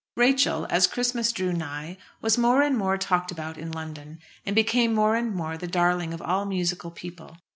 Rachel, as Christmas drew nigh, was more and more talked about in London, and became more and more the darling of all musical people.